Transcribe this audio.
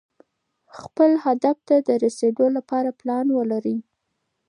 خپل هدف ته د رسېدو لپاره پلان ولرئ.